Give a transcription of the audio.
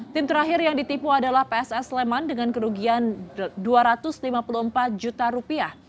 tim terakhir yang ditipu adalah pss sleman dengan kerugian dua ratus lima puluh empat juta rupiah